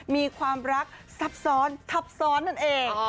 มีความรักทับซ้อนนั่นเอง